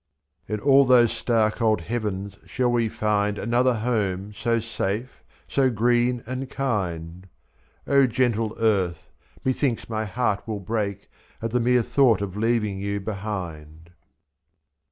I In all those star cold heavens shall we find Another home, so safe, so green and kind ? 2^:2.0 gentle earth, methinks my heart will break At the mere thought of leaving you behind.